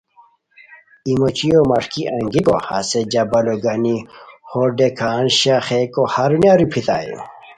ای موچیو مݰکی انگیکو ہسے جبالو گانی ہو ڈیکان شاخیکو ہرونیہ روپھیتائے